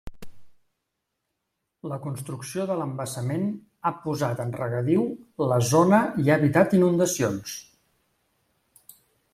La construcció de l'embassament ha posat en regadiu la zona i ha evitat inundacions.